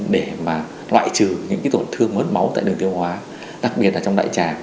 để mà loại trừ những cái tổn thương mớt máu tại đường tiêu hóa đặc biệt là trong đại tràng